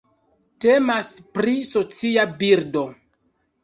Temas pri socia birdo.